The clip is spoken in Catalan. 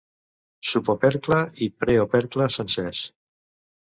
Subopercle i preopercle sencers.